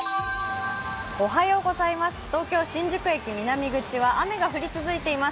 東京・新宿駅南口は雨が降り続いています。